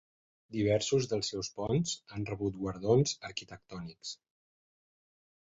Diversos dels seus ponts han rebut guardons arquitectònics.